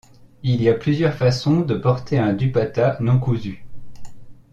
Il y a plusieurs façons de porter un dupatta non cousu.